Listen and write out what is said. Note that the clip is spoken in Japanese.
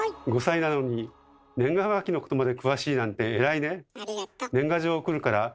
５歳なのに年賀はがきのことまで詳しいなんて偉いね。